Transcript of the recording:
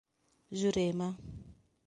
Jurema